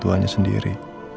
ke orang tuanya sendiri